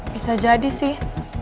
bisa jadi sih